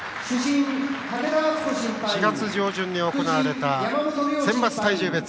４月上旬に行われた選抜体重別。